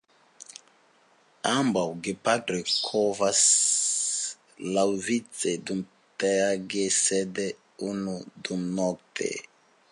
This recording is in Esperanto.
Ambaŭ gepatroj kovas laŭvice dumtage sed nur unu dumnokte.